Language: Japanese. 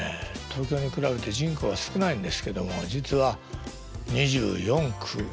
東京に比べて人口は少ないんですけども実は２４区ありまして。